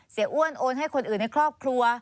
อ้วนโอนให้คนอื่นในครอบครัว